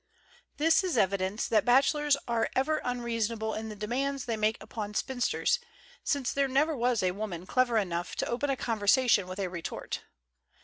" This is evidence that bachelors are ever un reasonable in the demands they make upon THE GENTLE ART OF REPARTEE spinsters, since there never was a woman clever enough to open a conversation with a retort.